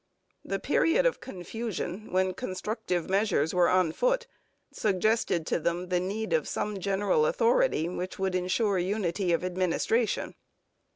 The period of confusion, when constructive measures were on foot, suggested to them the need of some general authority which would ensure unity of administration.